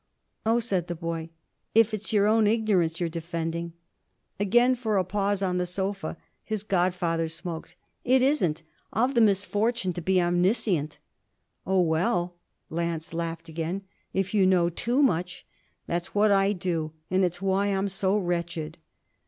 'Oh,' said the boy, 'if it's your own ignorance you're defending !' Again, for a pause, on the sofa, his godfather smoked. 'It isn't. I've the misfortune to be omniscient.' 'Oh well,' Lance laughed again, 'if you know too much !' 'That's what I do, and it's why I'm so wretched.'